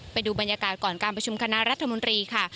ไปดูบรรยากาศก่อนการประชุมคณะรัฐมนตรีค่ะ